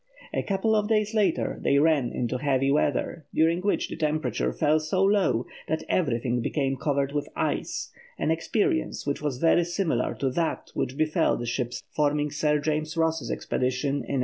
A couple of days later they ran into heavy weather, during which the temperature fell so low that everything became covered with ice, an experience which was very similar to that which befell the ships forming Sir James Ross's expedition in 1842.